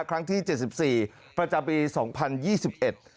ครั้งที่เจ็ดสิบสี่ประจำปีสองพันยี่สิบเอ็ด